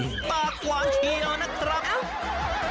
ปากหวานชี่หล่อนะครับ